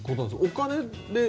お金で？